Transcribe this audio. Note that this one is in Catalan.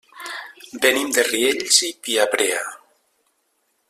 Venim de Riells i Viabrea.